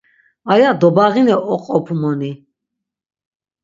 Aya dobağine oqopumoni.